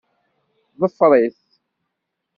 Ḍfer-it.